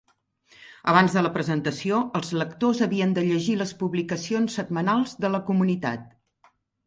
Abans de la presentació, els lectors havien de llegir les publicacions setmanals de la comunitat.